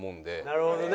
なるほどね。